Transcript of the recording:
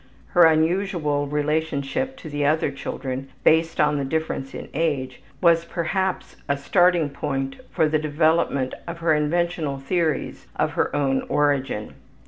Her unusual relationship to the other children, based on the difference in age, was perhaps a starting point for the development of her inventional theories of her own origin.